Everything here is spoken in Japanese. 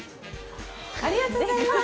ありがとうございます。